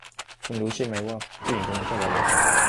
คุณรู้ใช่ไม่ว่าผู้หญิงคนนั้นชอบอะไร